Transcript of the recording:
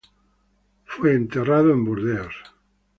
Fue enterrado en Burdeos.